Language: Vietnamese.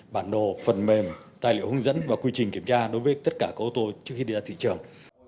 bản đồ phần mềm tài liệu hướng dẫn và quy trình kiểm tra đối với tất cả các ô tô trước khi đi ra thị trường